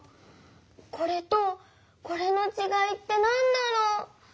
これとこれのちがいってなんだろう？